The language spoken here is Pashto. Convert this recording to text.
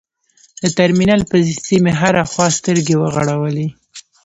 د ترمینل پسې مې هره خوا سترګې وغړولې.